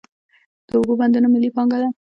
د اوبو بندونه ملي پانګه ده.